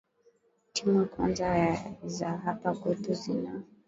ee timu kwanza ya za hapa kwetu zina